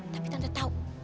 tapi tante tahu